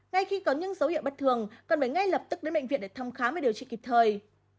ngay khi có những dấu hiệu bất thường cần phải ngay lập tức đến bệnh viện để thăm khám và điều trị kịp thời